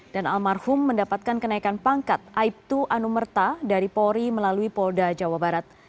dan almarhum mendapatkan kenaikan pangkat aibdu anumerta dari polri melalui polda jawa barat